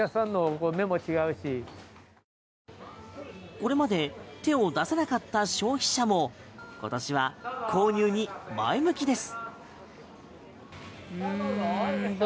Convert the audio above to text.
これまで手を出せなかった消費者も今年は購入に前向きです。